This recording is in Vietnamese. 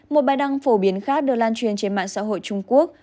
một bài đăng phổ biến khác được lan truyền trên mạng xã hội trung quốc